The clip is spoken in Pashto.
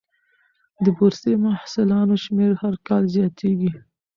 د بورسي محصلانو شمېر هر کال زیاتېږي.